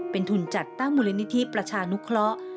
เป็นทุนจัดตั้งมูลนิธิประชานุเคราะห์